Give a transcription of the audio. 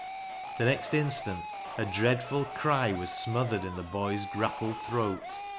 The next instant a dreadful cry was smothered in the boy's grappled throat.